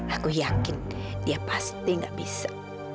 aku yakin dia pasti gak bisa